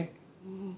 うん。